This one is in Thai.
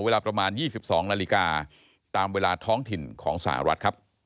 เวลาประมาณ๒๒นาฬิกาตามเวลาท้องถิ่นของสหรัฐครับ